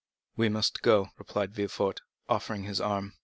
"We must go," replied Villefort, offering his arm.